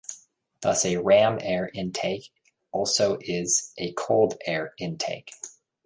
Thus a ram-air intake also is a cold air intake.